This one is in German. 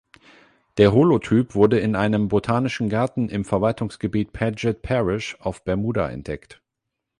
Der Holotyp wurde in einem botanischen Garten im Verwaltungsgebiet Paget Parish auf Bermuda entdeckt.